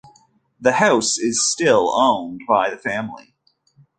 The house is still owned by the family.